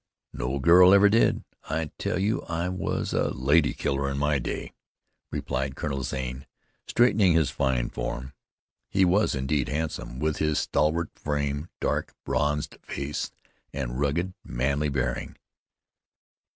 "No girl ever did. I tell you I was a lady killer in my day," replied Colonel Zane, straightening his fine form. He was indeed handsome, with his stalwart frame, dark, bronzed face and rugged, manly bearing.